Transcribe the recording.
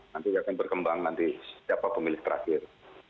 nanti akan berkembang nanti siapa pemilih terakhir